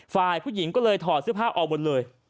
ฝ่ายผู้หญิงก็เลยถอดเสื้อผ้าออกหมดเลย